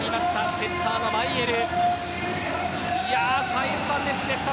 セッターのマイエル。